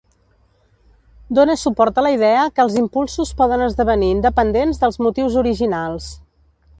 Done suport a la idea que els impulsos poden esdevenir independents dels motius originals.